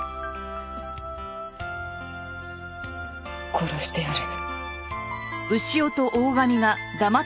殺してやる。